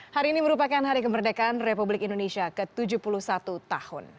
hari ini merupakan hari kemerdekaan republik indonesia ke tujuh puluh satu tahun